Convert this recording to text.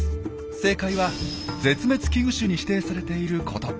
正解は「絶滅危惧種」に指定されていること。